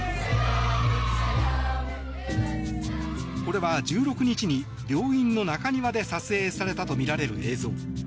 これは１６日に病院の中庭で撮影されたとみられる映像。